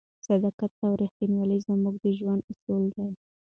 صداقت او رښتینولي زموږ د ژوند اصل دی.